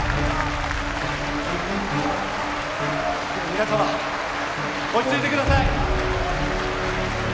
皆様落ち着いてください